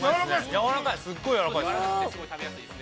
やわらかい、すっごいやわらかいです。